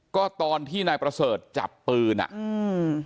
ก็ตอนที่นายประเสริฐจับปืนอ่ะอืม